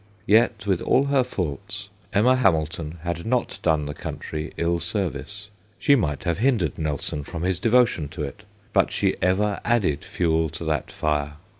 Yet with all her faults Emma Hamil ton had not done the country ill service. She might have hindered Nelson from his devotion to it, but she ever added fuel to that fire.